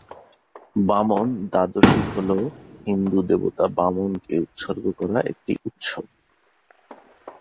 বামন দ্বাদশী হল হিন্দু দেবতা বামন কে উৎসর্গ করা একটি উৎসব।